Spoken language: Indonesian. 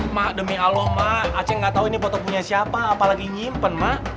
ma demi allah ma aceh gak tau ini foto punya siapa apa lagi nyimpen ma